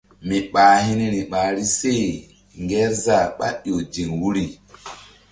Mi ɓah hi̧ niri ɓahri se Ŋgerzah ɓá ƴo ziŋ wuri.